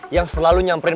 yang selalu nyamperin